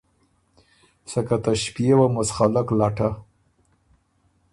سکه ته ݭپيېوه مُڅخلک لټه۔